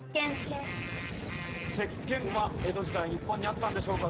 石鹸は江戸時代日本にあったんでしょうか？